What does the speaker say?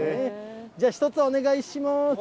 じゃあ、１つお願いします。